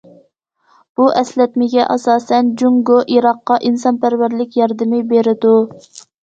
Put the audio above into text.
بۇ ئەسلەتمىگە ئاساسەن، جۇڭگو، ئىراققا ئىنسانپەرۋەرلىك ياردىمى بېرىدۇ.